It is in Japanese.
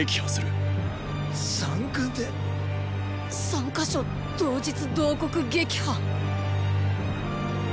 三か所同日同刻撃破。